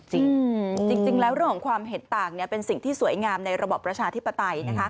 จริงแล้วเรื่องของความเห็นต่างเป็นสิ่งที่สวยงามในระบอบประชาธิปไตย